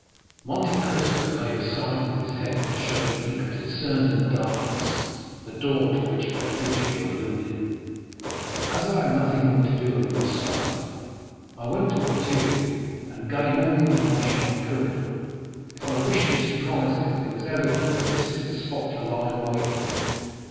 Monte Cristo made a sign with his head to show that he could discern in the darkness the door to which Bertuccio alluded. "As I had nothing more to do at Versailles, I went to Auteuil, and gained all the information I could. If I wished to surprise him, it was evident this was the spot to lie in wait for him.